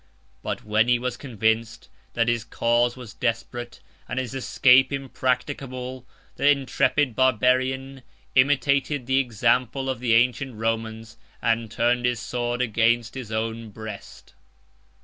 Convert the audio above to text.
But when he was convinced that his cause was desperate, and his escape impracticable, the intrepid Barbarian imitated the example of the ancient Romans, and turned his sword against his own breast.